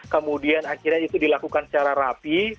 kemudian akhirnya itu dilakukan secara rapi